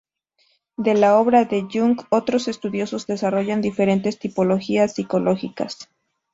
De la obra de Jung, otros estudiosos desarrollaron diferentes tipologías psicológicas.